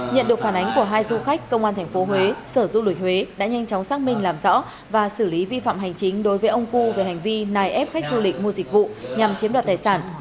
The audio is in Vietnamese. nhận được phản ánh của hai du khách công an tp huế sở du lịch huế đã nhanh chóng xác minh làm rõ và xử lý vi phạm hành chính đối với ông pu về hành vi nài ép khách du lịch mua dịch vụ nhằm chiếm đoạt tài sản